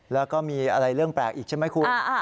แล้วก็มีอะไรเรื่องแปลกอีกใช่ไหมคุณ